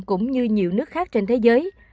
cũng như nhiều nước khác trên thế giới